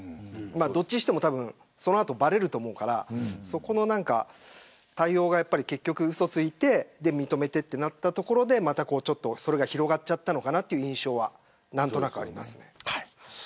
どっちにしてもその後ばれると思うからそこの対応で結局うそをついて認めたというところでそれが広がっちゃったのかなという印象は何となくあります。